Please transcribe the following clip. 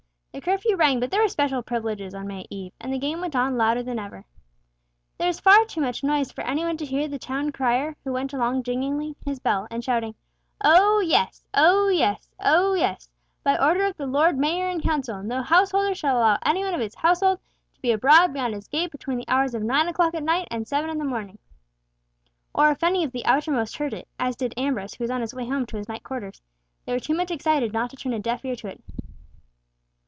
The curfew rang, but there were special privileges on May Eve, and the game went on louder than ever. There was far too much noise for any one to hear the town crier, who went along jingling his bell, and shouting, "O yes! O yes! O yes! By order of the Lord Mayor and Council, no householder shall allow any one of his household to be abroad beyond his gate between the hours of nine o'clock at night and seven in the morning," or if any of the outermost heard it, as did Ambrose who was on his way home to his night quarters, they were too much excited not to turn a deaf ear to it.